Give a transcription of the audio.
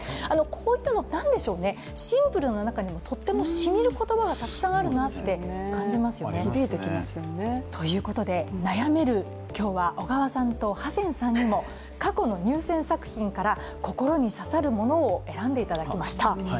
こういったの、何でしょうね、シンプルな中にもとってもしみる言葉がたくさんあるなと思いますね。ということで今日は、悩める小川さんとハセンさんからも、過去の作品から心に刺さるものを選んでいただきました。